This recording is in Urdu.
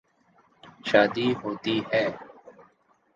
شادی ہوتی ہے۔